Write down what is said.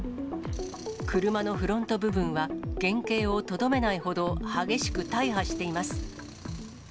車のフロント部分は、原形をとどめないほど激しく大破しています。